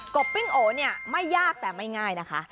ปิ้งโอเนี่ยไม่ยากแต่ไม่ง่ายนะคะ